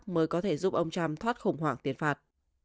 mới có thể giúp ông trump thoát khủng hoảng tiền phạt